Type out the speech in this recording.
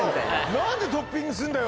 何でトッピングすんだよ！